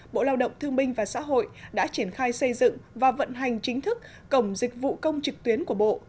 bộ lao động thương minh và xã hội đã triển khai xây dựng và vận hành chính thức cổng dịch vụ công trực tuyến của bộ